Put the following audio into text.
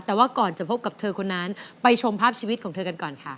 แต่ว่าก่อนจะพบกับเธอคนนั้นไปชมภาพชีวิตของเธอกันก่อนค่ะ